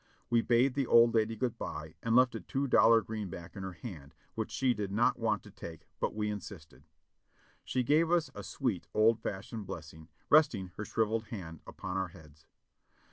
We bade the old lady good by and left a two dollar greenback in her hand, which she did not want to take, but we insisted. She gave us a sweet, old fashioned blessing, resting her shriveled hand upon our heads.